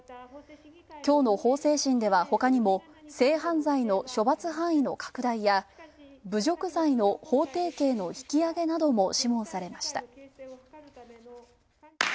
きょうの法制審では、ほかにも性犯罪の処罰範囲の拡大や侮辱罪の法定刑の引き上げなども諮問されました。